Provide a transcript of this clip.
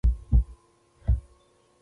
ښوروا له پيازو سره ښه بوی لري.